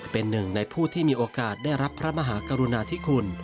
เป็นหนึ่งในผู้ที่มีโอกาสได้รับพระมหากรุณาธิคุณ